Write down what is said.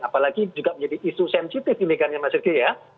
apalagi juga menjadi isu sensitif di liganya mas riki ya